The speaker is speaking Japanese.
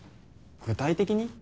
具体的に？